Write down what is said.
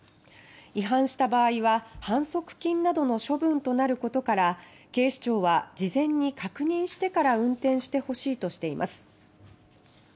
違反した場合は反則金などの処分となることから警視庁は、事前に確認してから運転してほしいとしています。